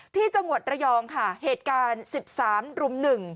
ที่จังหวัดระยองค่ะเหตุการณ์๑๓รุม๑